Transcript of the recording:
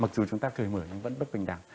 mặc dù chúng ta cởi mở nhưng vẫn bất bình đẳng